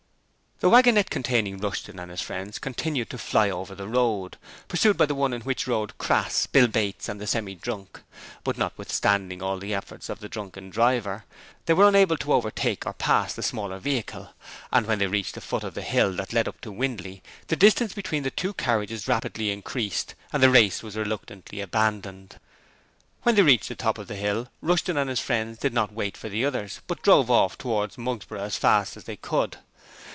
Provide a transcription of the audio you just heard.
The wagonette containing Rushton and his friends continued to fly over the road, pursued by the one in which rode Crass, Bill Bates, and the Semi drunk; but notwithstanding all the efforts of the drunken driver, they were unable to overtake or pass the smaller vehicle, and when they reached the foot of the hill that led up to Windley the distance between the two carriages rapidly increased, and the race was reluctantly abandoned. When they reached the top of the hill Rushton and his friends did not wait for the others, but drove off towards Mugsborough as fast as they could.